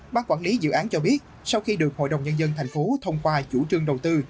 bác quản lý dự án cho biết sau khi được hội đồng nhân dân thành phố thông qua chủ trương đầu tư